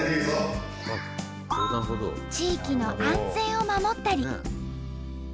地域の安全を守ったり。